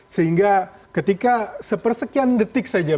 sehingga ketika sepersekian detik saja